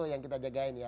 yang kita jagain ya